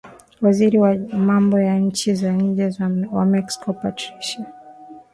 waziri wa mambo ya nchi za nje wa mexico patricia